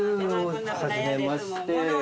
はじめまして。